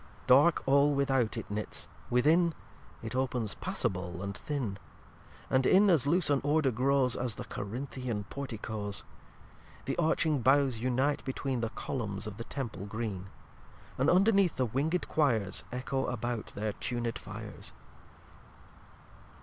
lxiv Dark all without it knits; within It opens passable and thin; And in as loose an order grows, As the Corinthean Porticoes. The Arching Boughs unite between The Columnes of the Temple green; And underneath the winged Quires Echo about their tuned Fires.